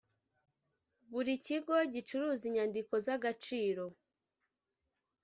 buri kigo gicuruza inyandiko z’ agaciro.